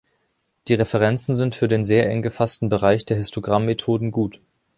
Die Referenzen sind für den sehr eng gefassten Bereich der Histogrammmethoden gut.